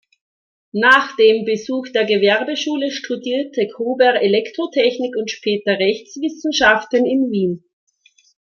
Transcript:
Nach dem Besuch der Gewerbeschule studierte Gruber Elektrotechnik und später Rechtswissenschaften in Wien.